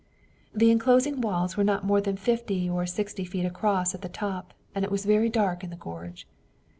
The enclosing walls were not more than fifty or sixty feet across the top and it was very dark in the gorge.